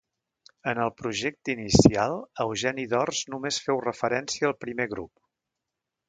En el projecte inicial, Eugeni d'Ors només feu referència al primer grup.